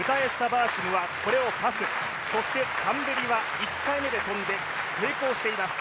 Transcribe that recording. バーシムはこれをパスタンベリは１回目で跳んで成功しています。